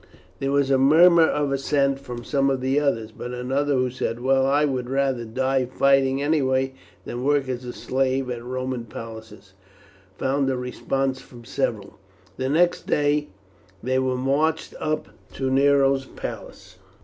There was a murmur of assent from some of the others; but another who said, "Well, I would rather die fighting anyway than work as a slave at Roman palaces," found a response from several. The next day they were marched up to Nero's palace.